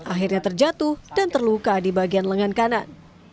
akhirnya terjatuh dan terluka di bagian lengan kanan